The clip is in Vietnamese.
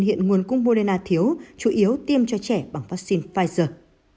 hiện nguồn cung moderna thiếu chủ yếu tiêm cho trẻ bằng vắc xin pfizer